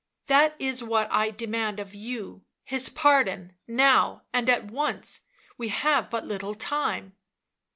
" That is what I demand of you, his pardon, now, and at once — we have but little time.